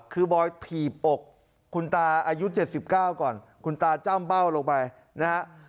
คือบอยถีบอกคุณตาอายุเจ็ดสิบเก้าก่อนคุณตาจ้ามเบ้าลงไปนะครับ